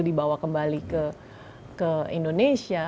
dibawa kembali ke indonesia